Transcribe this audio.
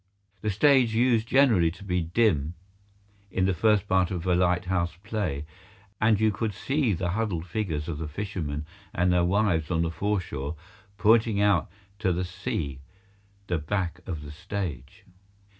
The stage used generally to be dim in the first part of a lighthouse play, and you could see the huddled figures of the fishermen and their wives on the foreshore pointing out to the sea (the back of the stage).